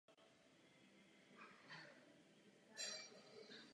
Prodejnost alba byla špatná.